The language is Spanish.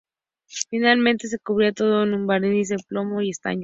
Finalmente se cubría todo con un barniz de plomo y estaño.